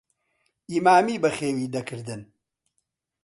ئیمامی بەخێوی دەکردن.